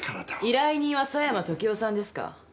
依頼人は狭山時夫さんですか？